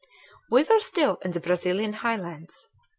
We were still in the Brazilian highlands.